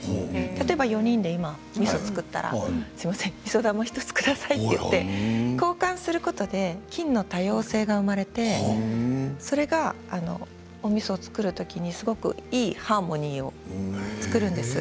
例えば今４人でみそを作ったらみそ玉１つくださいと言って交換することで菌の多様性が生まれてそれがおみそを作る時にすごく、いいハーモニーを作るんです。